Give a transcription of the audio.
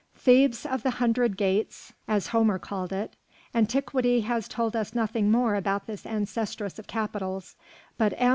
Thebes of the Hundred Gates, as Homer called it, antiquity has told us nothing more about this ancestress of capitals; but M.